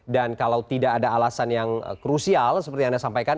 dan kalau tidak ada alasan yang krusial seperti yang anda sampaikan